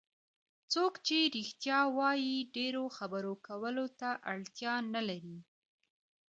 څوک چې رښتیا وایي ډېرو خبرو کولو ته اړتیا نه لري.